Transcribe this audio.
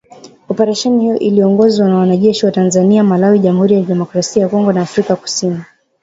Oparesheni hiyo iliongozwa na wanajeshi wa Tanzania, Malawi, Jamhuri ya Kidemocrasia ya Kongo na Afrika ya kusini